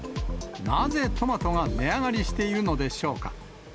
なぜトマトが値上がりしているのでしょうか。